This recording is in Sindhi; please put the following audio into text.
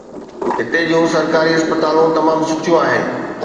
هتي جون سرڪاري اسپتالون تمام سٺيون آهن.